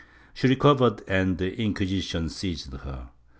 She recovered and the Inquisition seized her.